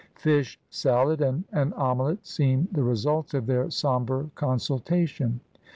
Fish salad and an omelette seem the results of their sombre con sultation.